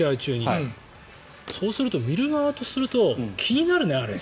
そうすると見る側とすると気になるね、あれ。